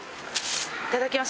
いただきます。